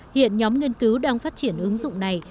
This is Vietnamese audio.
hiện nhóm nghiên cứu đang phát triển ứng dụng này